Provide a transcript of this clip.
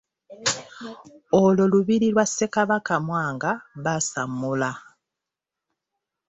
Olwo lubiri lwa Ssekabaka Mwanga Basammula.